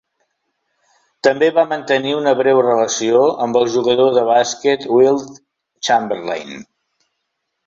També va mantenir una breu relació amb el jugador de bàsquet Wilt Chamberlain.